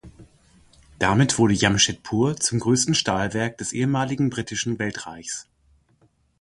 Damit wurde Jamshedpur zum größten Stahlwerk des ehemaligen Britischen Weltreichs.